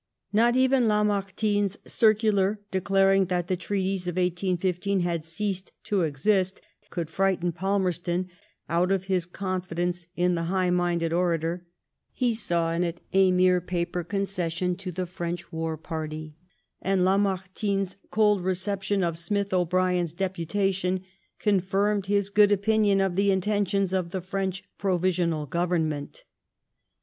Not even Lamartine's ciroalar, declaring that the treaties of 1815 had ceased to exist, coald frighten Falmerston out of his confidence in the high minded orator ; he saw in it a mere paper concession to the French war party, and Lamartine's cold recep tion of Smith O'Brien's deputation confirmed his good opinion of the intentions of the French Provisional Government.